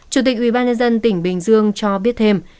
chủ tịch ubnd tỉnh bình dương cho biết thêm